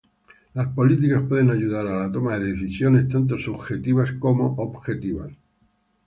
Las políticas pueden ayudar a la toma de decisiones tanto subjetivas y objetivas.